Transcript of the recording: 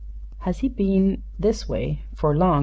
"Has he been this way for long?"